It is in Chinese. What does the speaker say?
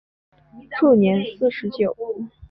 卒年四十九。